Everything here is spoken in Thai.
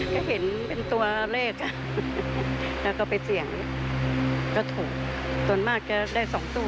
ก็เห็นเป็นตัวเลขแล้วก็ไปเสี่ยงก็ถูกส่วนมากจะได้๒ตู้